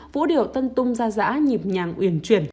vũ điệu tân tung ra giã nhịp nhàng uyển chuyển